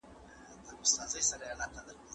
د موبایل سکرین د ده د بیدارۍ شاهد و.